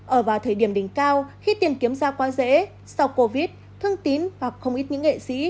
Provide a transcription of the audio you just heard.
ở vào thời điểm đỉnh cao khi tìm kiếm ra quá dễ sau covid thương tín và không ít những nghệ sĩ